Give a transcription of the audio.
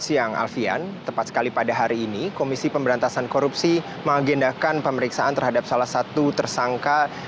siang alfian tepat sekali pada hari ini komisi pemberantasan korupsi mengagendakan pemeriksaan terhadap salah satu tersangka